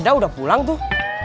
ya udah pulang dulu ya